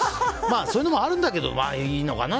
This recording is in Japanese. そういうのもあるんだけどいいのかな？